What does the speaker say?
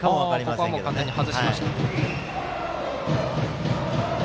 ここは完全に外しました。